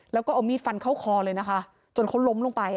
แล้วก็เอามีดฟันเข้าคอเลยนะคะ